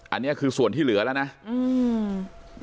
อันนี้คือส่วนที่เหลือแล้วนะอืม